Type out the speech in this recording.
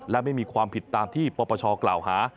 และไม่มีความผิดตามที่ปปชกล่าวหา